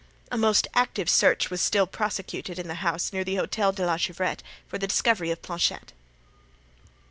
A most active search was still prosecuted in the house near the Hotel de la Chevrette for the discovery of Planchet.